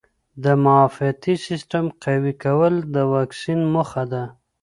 د معافیتي سیسټم قوي کول د واکسین موخه ده.